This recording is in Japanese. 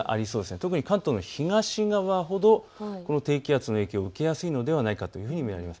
特に関東の東側ほどこの低気圧の影響を受けやすいのではないかというふうに見られます。